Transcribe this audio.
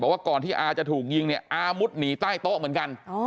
ว่าก่อนที่อาจะถูกยิงเนี่ยอามุดหนีใต้โต๊ะเหมือนกัน